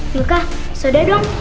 wilka sudah dong